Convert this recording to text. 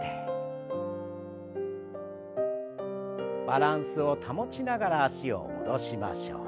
バランスを保ちながら脚を戻しましょう。